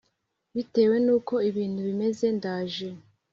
bitewe n uko ibintu bimeze ndaje